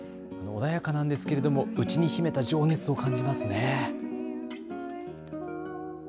穏やかなんですけれども内に秘めた情熱を感じますね。